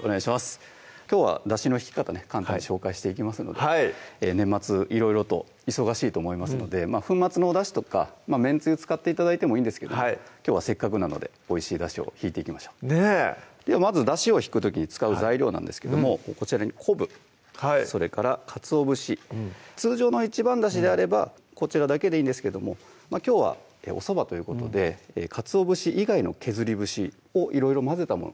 きょうはだしの引き方ね簡単に紹介していきますので年末いろいろと忙しいと思いますので粉末のおだしとかめんつゆ使って頂いてもいいんですけどもきょうはせっかくなのでおいしいだしを引いていきましょうではまずだしを引く時に使う材料なんですけどもこちらに昆布それからかつお節通常の一番だしであればこちらだけでいいんですけどもきょうはおそばということでかつお節以外の削り節をいろいろ混ぜたもの